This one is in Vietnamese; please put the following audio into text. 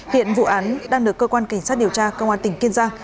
hiện vụ án đang được cơ quan cảnh sát điều tra công an tỉnh kiên giang